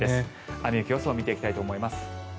雨・雪予想を見ていきたいと思います。